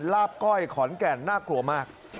ลาบก้อยขอนแก่นน่ากลัวมาก